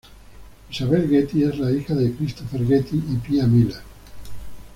Isabel Getty es la hija de Christopher Getty y Pia Miller.